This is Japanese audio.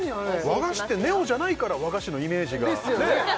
和菓子ってネオじゃないから和菓子のイメージがねですよね